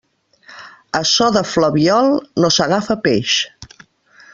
A so de flabiol no s'agafa peix.